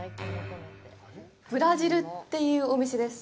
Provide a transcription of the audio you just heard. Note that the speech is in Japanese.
ブラジルっていうお店です。